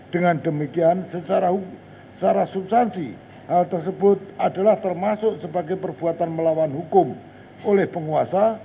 dengan demikian secara substansi hal tersebut adalah termasuk sebagai perbuatan melawan hukum oleh penguasa